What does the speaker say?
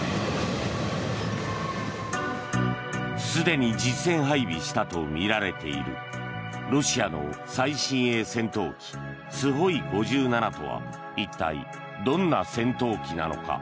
すでに実戦配備したとみられているロシアの最新鋭戦闘機スホイ５７とは一体、どんな戦闘機なのか。